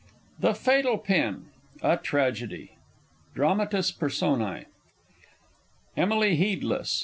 THE FATAL PIN. A TRAGEDY. DRAMATIS PERSONÆ. _Emily Heedless.